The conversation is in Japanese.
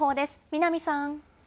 南さん。